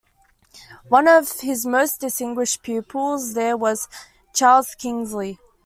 One of his most distinguished pupils there was Charles Kingsley.